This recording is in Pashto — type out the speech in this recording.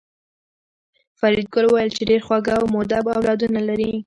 فریدګل وویل چې ډېر خواږه او مودب اولادونه لرې